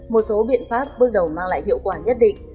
một số biện pháp bước đầu mang lại hiệu quả nhất định